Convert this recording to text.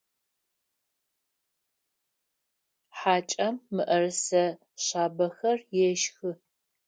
Хьакӏэм мыӏэрысэ шъабэхэр ешхы.